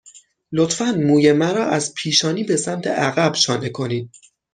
لطفاً موی مرا از پیشانی به سمت عقب شانه کنید.